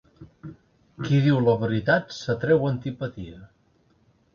Qui diu la veritat s'atreu antipatia.